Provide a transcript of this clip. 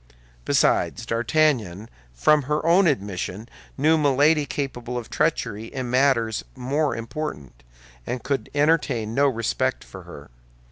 Besides, D'Artagnan from her own admission knew Milady culpable of treachery in matters more important, and could entertain no respect for her.